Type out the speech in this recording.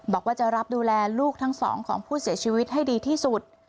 บอกว่าจะรับดูแลลูกทั้งสองของผู้เสียชีวิตให้ดีที่สุด